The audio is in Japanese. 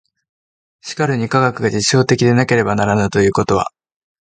しかるに科学が実証的でなければならぬということは、